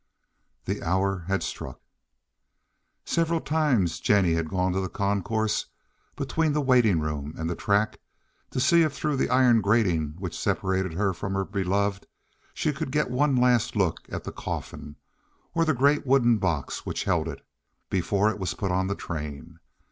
The hour had struck. Several times Jennie had gone to the concourse between the waiting room and the tracks to see if through the iron grating which separated her from her beloved she could get one last look at the coffin, or the great wooden box which held it, before it was put on the train.